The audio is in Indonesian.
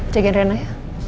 jagain rena ya